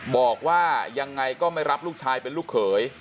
บอกว่ายังไงก็ไม่รับลูกชายเป็นลูกเขย